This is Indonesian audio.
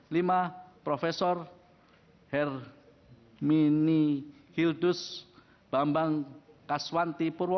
lima prof hermini hildus bambang kaswanti purwo